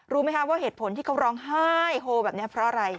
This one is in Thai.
รู้ไหมคะว่าเหตุผลที่เขาร้องไห้โฮแบบนี้เพราะอะไร